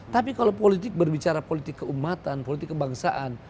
tapi kalau politik berbicara politik keumatan politik kebangsaan